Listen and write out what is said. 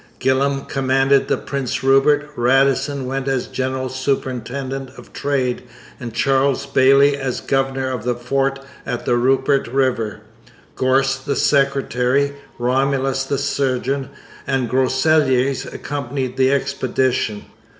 Gillam commanded the Prince Rupert, Radisson went as general superintendent of trade, and Charles Bayly as governor of the fort at the Rupert river. Gorst the secretary, Romulus the surgeon, and Groseilliers accompanied the expedition.